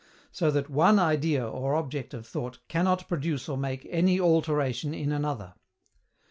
So that ONE IDEA or object of thought CANNOT PRODUCE or make ANY ALTERATION IN ANOTHER.